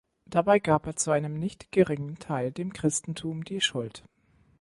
Dabei gab er zu einem nicht geringen Teil dem Christentum die Schuld.